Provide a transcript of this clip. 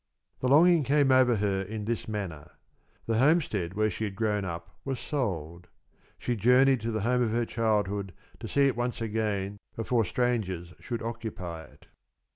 The longing came over her in this manner: The homestead where she had grown up was sold. She journeyed to the home of her childhood to see it once again before strangers should occupy it.